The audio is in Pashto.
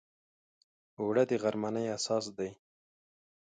اوړه د غرمنۍ اساس دی